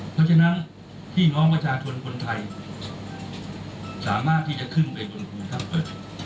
เพราะฉะนั้นพี่น้องประชาชนคนไทยสามารถที่จะขึ้นไปบนถ้ำเปิด